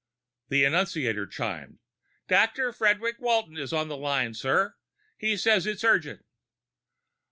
The annunciator chimed. "Dr. Frederic Walton is on the line, sir. He says it's urgent."